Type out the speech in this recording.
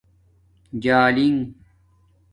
جالنگ